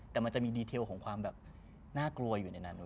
แต่มันจะมีดีเทลของความแบบน่ากลัวอยู่ในนั้น